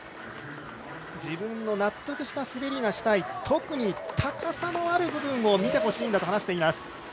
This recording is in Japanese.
自分の納得した滑りがしたい特に高さのある部分を見てほしいんだと話していました。